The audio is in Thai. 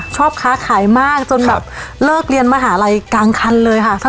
ชอบค้าขายมากจนแบบเลิกเรียนมหาลัยกลางคันเลยค่ะ